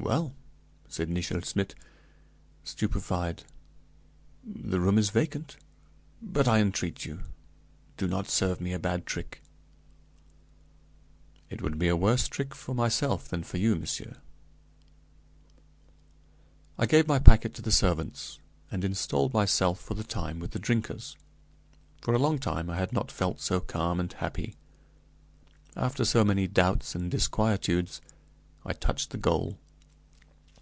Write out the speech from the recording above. "Well," said Nichel Schmidt, stupefied, "the room is vacant, but I entreat you, do not serve me a bad trick." "It would be a worse trick for myself than for you, monsieur." I gave my packet to the servants, and installed myself for the time with the drinkers. For a long time I had not felt so calm and happy. After so many doubts and disquietudes, I touched the goal.